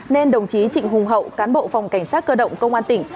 nên đồng chí trịnh hùng hậu cán bộ phòng cảnh sát cơ động công an tỉnh